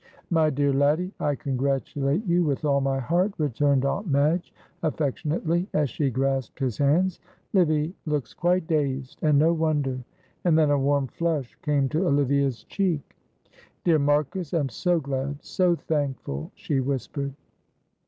"My dear laddie, I congratulate you with all my heart," returned Aunt Madge, affectionately, as she grasped his hands. "Livy looks quite dazed, and no wonder," and then a warm flush came to Olivia's cheek. "Dear Marcus, I am so glad, so thankful," she whispered.